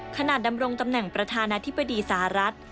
ขณะดำรงตำแหน่งประธานาธิบดีสหรัฐ